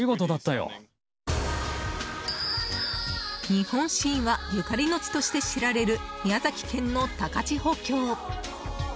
日本神話ゆかりの地として知られる、宮崎県の高千穂峡。